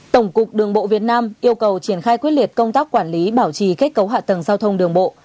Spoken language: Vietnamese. tổng cục đường bộ việt nam yêu cầu triển khai quyết liệt công tác quản lý bảo trì kết cấu hạ tầng giao thông đường bộ